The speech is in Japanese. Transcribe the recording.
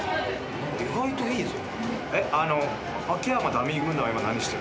・意外といいぞ。